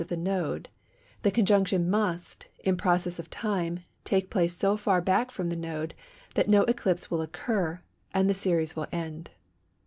of the node, the conjunction must, in process of time, take place so far back from the node that no eclipse will occur, and the series will end.